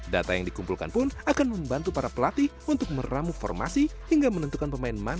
data yang dikumpulkan pun akan membantu para pelatih untuk meramu formasi hingga menentukan pemain mana